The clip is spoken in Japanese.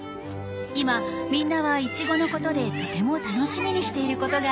今みんなはいちごの事でとても楽しみにしている事があります。